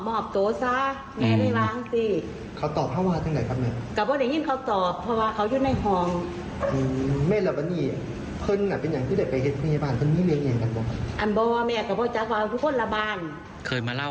วางต้นสบของผู้ใหญ่สวัยก็ถูกนำไปประกอบพิธีที่บ้านนะคะ